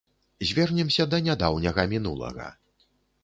Звернемся да нядаўняга мінулага.